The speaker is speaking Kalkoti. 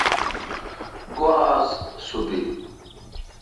گوا آس سو بیل۔